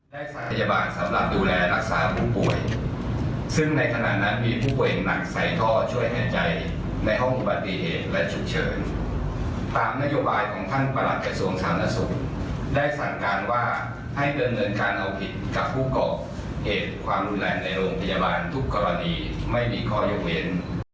โรงพยาบาลจะดำเนินการเอาผิดกับผู้ก่อเหตุความรุนแรงในโรงพยาบาลทุกกรณีไม่มีขอยกเว้น